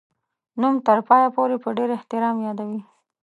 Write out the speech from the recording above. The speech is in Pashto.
نوم تر پایه پوري په ډېر احترام یادوي.